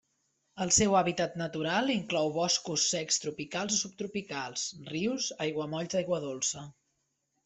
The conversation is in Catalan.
El seu hàbitat natural inclou boscos secs tropicals o subtropicals, rius, aiguamolls d'aigua dolça.